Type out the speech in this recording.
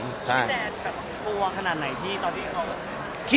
พี่แจนแบบกลัวขนาดไหนที่ตอนที่เขาคิด